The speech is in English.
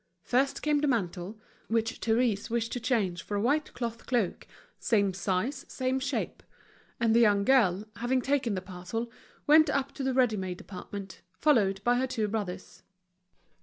First came the mantle, which Therese wished to change for a white cloth cloak, same size, same shape. And the young girl, having taken the parcel, went up to the ready made department, followed by her two brothers.